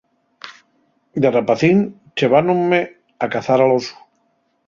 De rapacín ḷḷevánonme a cazar al osu.